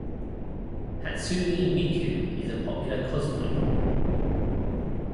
Hatsune Miku is a popular cosplay.